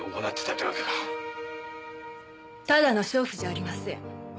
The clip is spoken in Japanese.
ただの娼婦じゃありません。